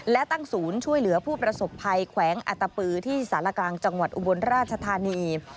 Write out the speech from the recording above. และตั้งศูนย์ช่วยเหลือผู้ประสบภัยแขวงอัตปือที่สารกลางจังหวัดอุบลราชธานี